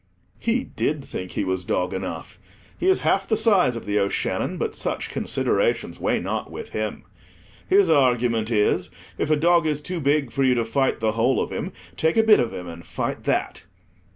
He did think he was dog enough. He is half the size of The O'Shannon, but such considerations weigh not with him. His argument is, if a dog is too big for you to fight the whole of him, take a bit of him and fight that.